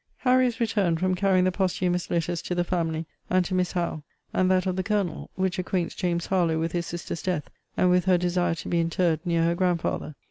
Harry is returned from carrying the posthumous letters to the family, and to Miss Howe; and that of the Colonel, which acquaints James Harlowe with his sister's death, and with her desire to be interred near her grandfather.